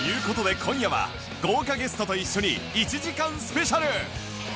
事で今夜は豪華ゲストと一緒に１時間スペシャル